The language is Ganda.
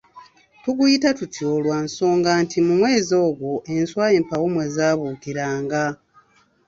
Tuguyita tutyo lwa nsonga nti mu mwezi ogwo enswa empawu mwe zaabuukiranga.